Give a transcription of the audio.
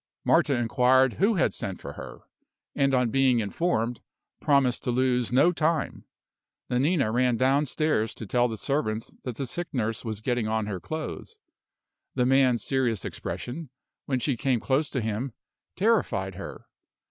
Marta inquired who had sent for her, and on being informed, promised to lose no time. Nanina ran downstairs to tell the servant that the sick nurse was getting on her clothes. The man's serious expression, when she came close to him, terrified her.